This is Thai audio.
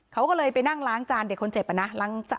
เขาก็เลยไปนั่งล้างจานเด็กคนเจ็บอะนะ